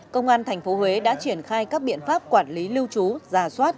công an thành phố huế đã triển khai các biện pháp quản lý lưu trú giả soát